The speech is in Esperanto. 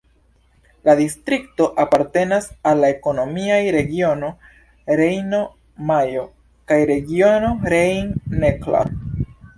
La distrikto apartenas al la ekonomiaj regiono Rejno-Majno kaj regiono Rhein-Neckar.